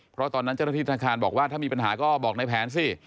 เพราะที่ธนาคารบอกว่าถ้ามีปัญหาก็บอกในแผนซิ